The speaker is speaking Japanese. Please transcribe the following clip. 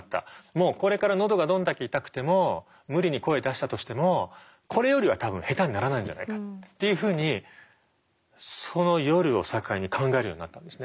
もうこれから喉がどんだけ痛くても無理に声出したとしてもこれよりは多分下手にならないんじゃないかっていうふうにその夜を境に考えるようになったんですね。